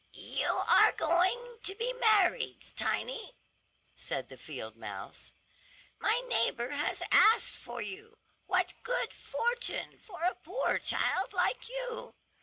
"You are going to be married, Tiny," said the field mouse. "My neighbor has asked for you. What good fortune for a poor child like you.